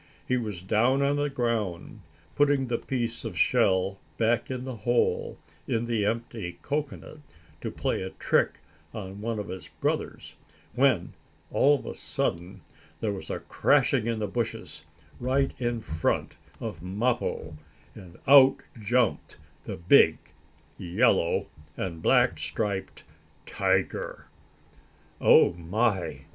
He was down on the ground, putting the piece of shell back in the hole in the empty cocoanut, to play a trick on one of his brothers, when, all of a sudden, there was a crashing in the bushes, right in front of Mappo, and out jumped the big, yellow and black striped tiger. "Oh my!"